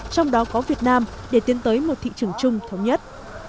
trong đó có việt nam để tiến tới một thị trường chung thống nhất